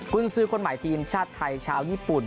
คุณซื้อคนใหม่ทีมชาติไทยชาวญี่ปุ่น